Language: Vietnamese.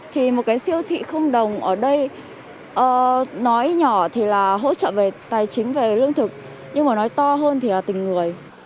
thì một cái siêu thị không đồng ở đây nói nhỏ thì là hỗ trợ về tài chính về lương thực nhưng mà nói to hơn thì là tình người